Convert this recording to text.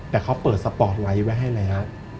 แต่เขาเปิดสปอร์ตไลท์ไว้ให้แล้ว